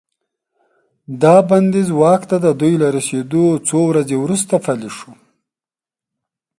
دا بندیز واک ته د دوی له رسیدو څو ورځې وروسته پلی شو.